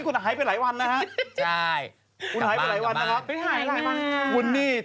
ผู้โดดดำกับผมกับคุณม้าหรือคุณรถมียหรือคุณเหมียว